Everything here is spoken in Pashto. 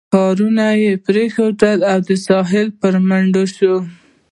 کاروان یې پرېښود او سهیل پر میدان شو.